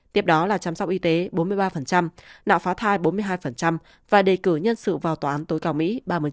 tiếp đó là chăm sóc y tế bốn mươi ba nạo phá thai bốn mươi hai và đề cử nhân sự vào tòa án tối cao mỹ ba mươi